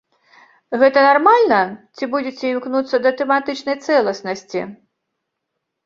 Гэта нармальна, ці будзеце імкнуцца да тэматычнай цэласнасці?